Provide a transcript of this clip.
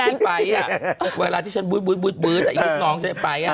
พอที่ไปเวลาที่ฉันบึกแต่อีกลูกน้องจะไป